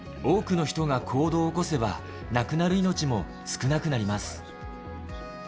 多くの人が行動を起こせば、亡くなる命も少なくなります。